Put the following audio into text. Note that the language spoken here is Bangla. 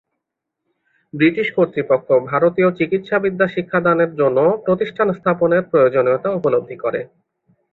ব্রিটিশ কর্তৃপক্ষ ভারতীয় চিকিৎসাবিদ্যা শিক্ষাদানের জন্য প্রতিষ্ঠান স্থাপনের প্রয়োজনীয়তা উপলব্ধি করে।